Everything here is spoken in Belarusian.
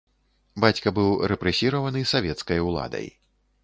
Бацька быў рэпрэсіраваны савецкай уладай.